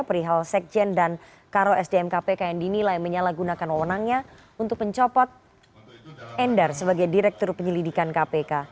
perihal sekjen dan karo sdm kpk yang dinilai menyalahgunakan wawonannya untuk mencopot endar sebagai direktur penyelidikan kpk